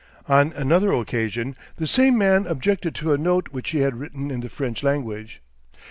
On another occasion the same man objected to a note which she had written in the French language.